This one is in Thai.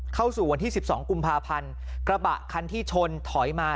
เข้าสู่วันที่สิบสองกุมภาพันธ์กระบะคันที่ชนถอยมา